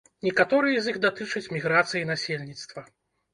Некаторыя з іх датычаць міграцыі насельніцтва.